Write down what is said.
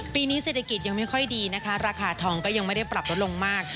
ปีนี้เศรษฐกิจยังไม่ค่อยดีนะคะราคาทองก็ยังไม่ได้ปรับลดลงมาก